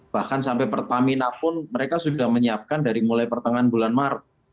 bahkan sampai pertamina pun mereka sudah menyiapkan dari mulai pertengahan bulan maret